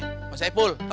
dia bangkas keren aja